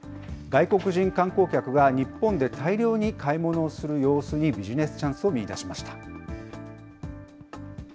外国人観光客が日本で大量に買い物をする様子にビジネスチャンスを見いだしました。